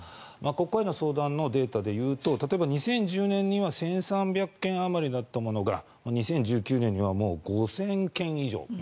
ここへの相談のデータでいうと例えば２０１０年には１３００件あまりだったものが２０１９年にはもう５０００件以上。